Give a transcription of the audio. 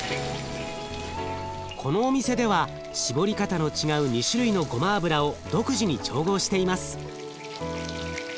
このお店では搾り方の違う２種類のごま油を独自に調合しています。